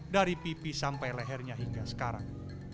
dari pipi sampai lehernya hingga sekarang